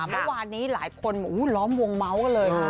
ฮักข์เมื่อวานนี้หลายคนร้อมวงเมา๊วเลย